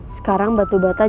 sekarang batu bata jadi